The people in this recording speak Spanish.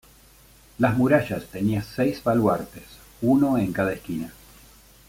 Las murallas tenía seis baluartes, uno en cada esquina.